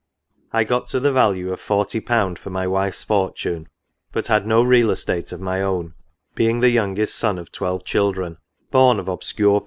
I got to the value of 40/. for my wife's fortune, but had no real estate of my own, being the youngest son of twelve children, born of obscure NOTES.